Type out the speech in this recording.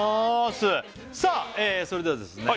さあそれではですね